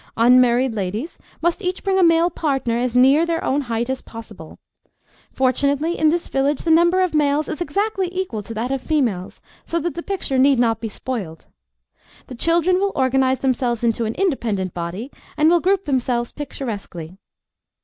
Unmarried ladies must each bring a male partner as near their own height as possible. Fortunately, in this village the number of males is exactly equal to that of females, so that the picture need not be spoiled. The children will organise themselves into an independent body and will group themselves picturesquely.